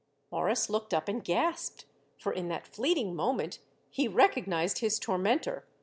Morris looked up and gasped, for in that fleeting moment he recognized his tormentor.